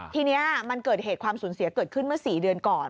ทีนี้มันเกิดเหตุความสูญเสียเกิดขึ้นเมื่อ๔เดือนก่อน